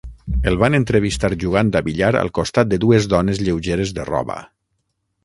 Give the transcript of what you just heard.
El van entrevistar jugant a billar al costat de dues dones lleugeres de roba.